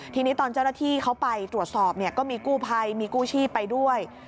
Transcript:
ทีนี้ตอนเจ้าหน้าที่เขาไปตรวจสอบเนี่ยก็มีกู้ภัยมีกู้ชีพไปด้วย